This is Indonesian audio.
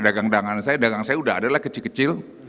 dagang dagangan saya dagang saya udah ada lah kecil kecil